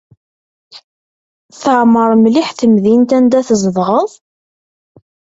Teɛmer mliḥ temdint anda tzedɣeḍ?